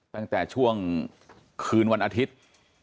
ตั้งแต่ช่วงคืนวันอาทิตย์